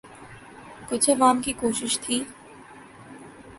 کچھ عوام کی کوشش تھی۔